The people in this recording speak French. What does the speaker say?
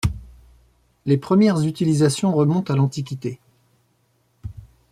Les premières utilisations remontent à l’Antiquité.